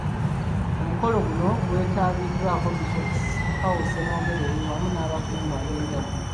Omukolo guno gwetabiddwako Bisopu Paul Ssemwogerere wamu n’abakungu ab’enjawulo.